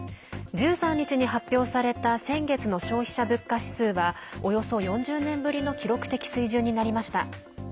１３日に発表された先月の消費者物価指数はおよそ４０年ぶりの記録的水準になりました。